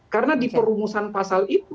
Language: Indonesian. karena di perumusan pasal itu